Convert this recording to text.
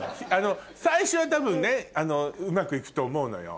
最初は多分うまく行くと思うのよ。